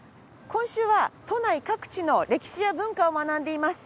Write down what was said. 今週は都内各地の歴史や文化を学んでいます。